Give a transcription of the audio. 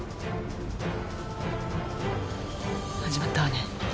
始まったわね。